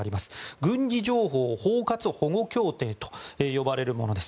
軍事情報包括保護協定と呼ばれるものです。